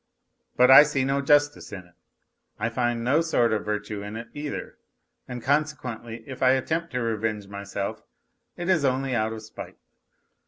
But I see no justice in it, I find no sort of virtue in it either, and consequently if I attempt to revenge myself, it is only out of spite.